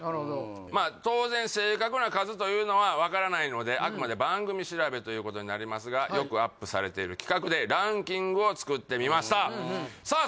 まあ当然正確な数というのは分からないのであくまで番組調べということになりますがよくアップされている企画でランキングを作ってみましたさあ